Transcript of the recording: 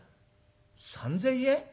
「３，０００円？